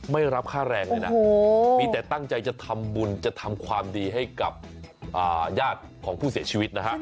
ไม่รับค่าแรงเลยนะมีแต่ตั้งใจจะทำบุญจะทำความดีให้กับญาติของผู้เสียชีวิตนะฮะ